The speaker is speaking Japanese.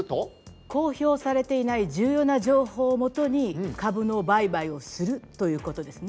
公表されていない重要な情報をもとに株の売買をするということですね。